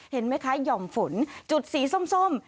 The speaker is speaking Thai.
เห็นไหมคะหย่อมฝนจุดสีส้ม